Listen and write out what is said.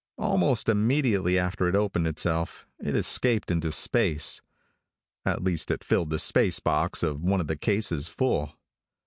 Almost immediately after it opened itself, it escaped into space. At least it filled the space box of one of the cases full.